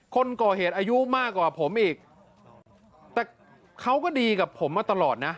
คนก่อเหตุอายุมากกว่าผมอีกแต่เขาก็ดีกับผมมาตลอดนะ